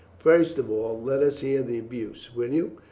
First of all, let us hear the abuse, will you?